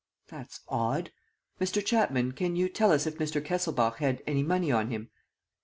"That's odd. Mr. Chapman, can you tell us if Mr. Kesselbach had any money on him?"